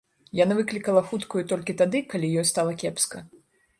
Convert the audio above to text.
Яна выклікала хуткую толькі тады, калі ёй стала кепска.